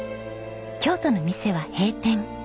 京都の店は閉店。